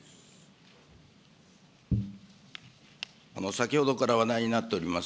先ほどから話題になっております